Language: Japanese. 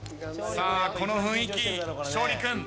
さあこの雰囲気勝利君。